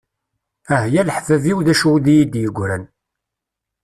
Ah ya leḥbab-iw d acu d iyi-d-yeggran.